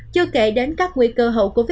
chưa kể đến các nguy cơ hậu covid một mươi